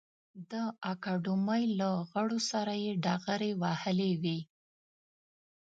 د اکاډمۍ له غړو سره یې ډغرې وهلې وې.